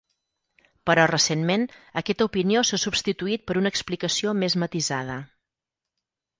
Però recentment, aquesta opinió s'ha substituït per una explicació més matisada.